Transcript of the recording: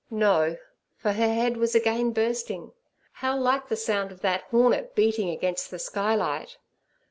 No, for her head was again bursting. How like the sound of that hornet beating against the skylight!